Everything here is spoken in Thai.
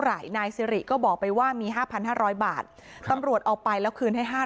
นายสิริก็บอกไปว่ามี๕๕๐๐บาทตำรวจเอาไปแล้วคืนให้๕๐๐